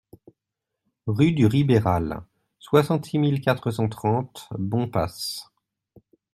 Rue du Ribéral, soixante-six mille quatre cent trente Bompas